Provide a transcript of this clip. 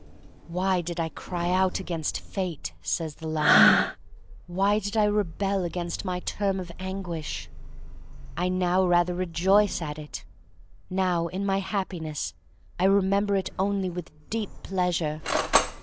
Why did I cry out against Fate, says the line; why did I rebel against my term of anguish! I now rather rejoice at it; now in my Happiness I remember it only with deep pleasure.